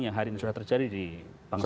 yang hari ini sudah terjadi di bangsa